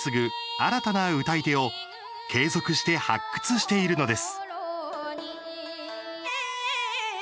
新たな歌い手を継続して発掘しているのです。